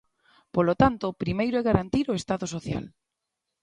Polo tanto, o primeiro é garantir o Estado social.